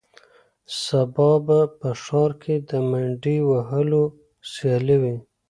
سبا به په ښار کې د منډې وهلو سیالي وي.